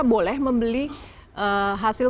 boleh membeli hasil